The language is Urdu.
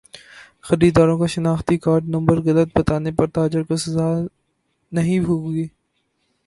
خریداروں کا شناختی کارڈ نمبر غلط بتانے پر تاجر کو سزا نہیں ہوگی